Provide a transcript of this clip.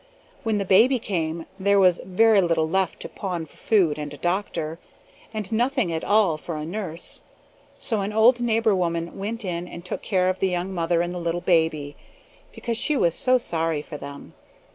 When the baby came, there was very little left to pawn for food and a doctor, and nothing at all for a nurse; so an old neighbor woman went in and took care of the young mother and the little baby, because she was so sorry for them.